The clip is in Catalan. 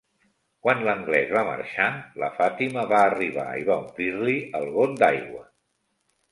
Quan l'anglès va marxar, la Fatima va arribar i va omplir-li el got d'aigua.